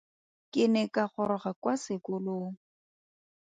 Ke ne ka goroga kwa sekolong.